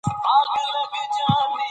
لوبه د باران له امله وځنډول شوه.